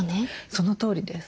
そのとおりです。